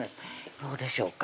どうでしょうか